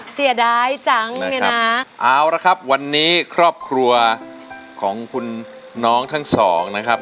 เสียดายจังเนี่ยนะเอาละครับวันนี้ครอบครัวของคุณน้องทั้งสองนะครับ